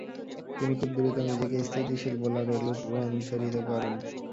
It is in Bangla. তিনি খুব দ্রুত নিজেকে স্থিতিশীল বোলারে রূপান্তরিত করেন।